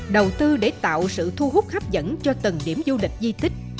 đầu tư để tạo sự thu hút hấp dẫn cho từng điểm du lịch di tích